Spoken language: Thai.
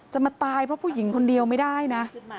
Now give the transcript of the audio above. จะมาตายเพราะผู้หญิงคนเดียวไม่ได้นะ